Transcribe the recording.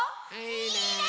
いいね！